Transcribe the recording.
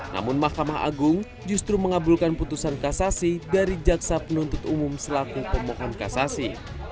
namun mahkamah agung justru mengabulkan putusan kasasi dari jaksa penuntut umum selaku pemohon kasasi